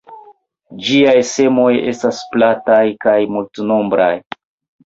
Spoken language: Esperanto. Ĝiaj semoj estas plataj kaj multnombraj.